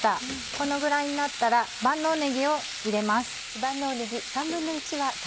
このぐらいになったら万能ねぎを入れます。